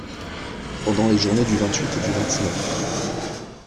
Pendant les journées du vingt-huit et du vingt-neuf